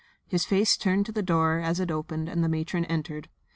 His face turned to the door as it opened and the matron entered.